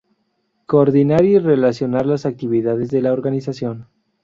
Coordinar y relacionar las actividades de la organización.